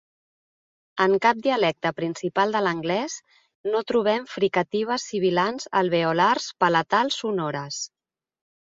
En cap dialecte principal de l'anglès no trobem fricatives sibilants alveolars palatals sonores.